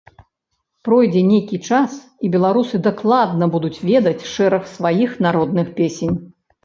Пройдзе нейкі час, і беларусы дакладна будуць ведаць шэраг сваіх народных песень.